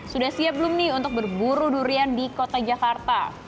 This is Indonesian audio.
sudah siap belum nih untuk berburu durian di kota jakarta